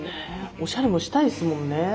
おしゃれもしたいっすもんね。